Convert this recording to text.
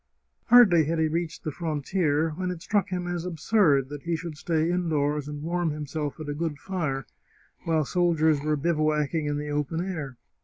Hardly had he reached the frontier, when it struck him as absurd that he should stay indoors and warm himself at a good fire while soldiers were bivouacking in the open air.